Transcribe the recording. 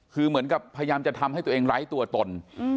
คือเหมือนกับพยายามจะทำให้ตัวเองไร้ตัวตน